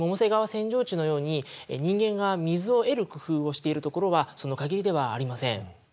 扇状地のように人間が水を得る工夫をしているところはその限りではありません。